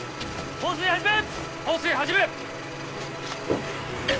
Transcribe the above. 放水始め！